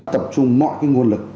tập trung mọi nguồn lực